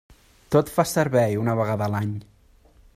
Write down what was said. Tot fa servei una vegada a l'any.